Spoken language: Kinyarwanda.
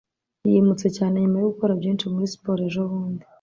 yimutse cyane nyuma yo gukora byinshi muri siporo ejobundi